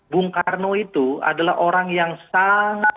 bung karno itu adalah orang yang sangat